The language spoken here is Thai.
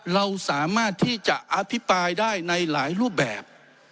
เราสามารถที่จะอภิปรายได้ในหลายรูปแบบ